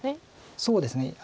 そうですね